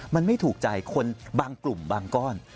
มันไม่ถูกใจคนบางกลุ่มบางก้อน